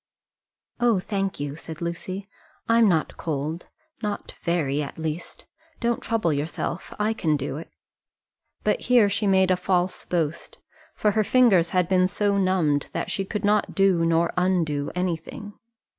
"Oh, thank you," said Lucy; "I'm not cold, not very at least. Don't trouble yourself: I can do it." But here she had made a false boast, for her fingers had been so numbed that she could not do nor undo anything.